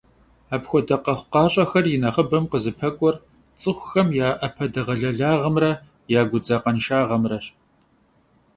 Апхуэдэ къэхъукъащӀэхэр и нэхъыбэм «къызыпэкӀуэр» цӀыхухэм я Ӏэпэдэгъэлэлагъымрэ я гудзакъэншагъэмрэщ.